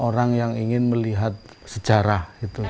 orang yang ingin melihat sejarah